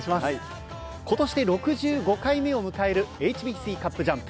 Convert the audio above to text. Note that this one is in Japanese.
今年で６５回目を迎えるＨＢＣカップジャンプ。